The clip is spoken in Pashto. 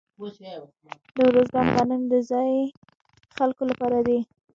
د ارزګان غنم د ځايي خلکو لپاره دي.